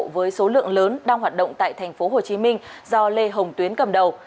với số lượng lớn đang hoạt động tại tp hồ chí minh do lê hồng tuyến cầm đầu